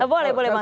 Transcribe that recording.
boleh boleh mas